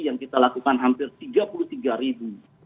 yang kita lakukan hampir rp tiga puluh tiga